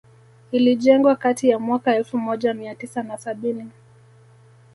Ilijengwa kati ya mwaka elfu moja mia tisa na sabini